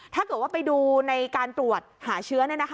ถ้าเกิดว่าไปดูในการตรวจหาเชื้อ